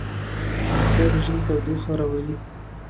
قهوه د ژمي تودوخه راولي